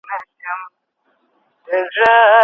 د اړیکو پرته ژوند ممکن نه دی.